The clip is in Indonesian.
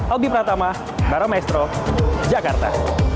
albi pratama baro maestro jakarta